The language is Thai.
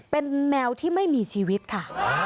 เป็นแมวที่ไม่มีชีวิตค่ะ